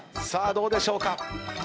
さあどうでしょうか？